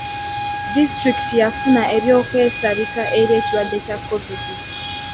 Disitulikiti yafuna eby'okwesabika eri ekirwadde kya covid.